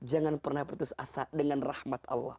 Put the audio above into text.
jangan pernah putus asa dengan rahmat allah